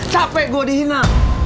sampai gue dihina